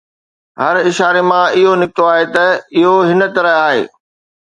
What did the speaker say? هر اشاري مان اهو نڪتو آهي ته اهو هن طرح آهي